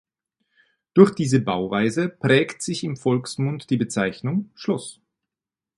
Durch diese Bauweise prägt sich im Volksmund die Bezeichnung Schloss.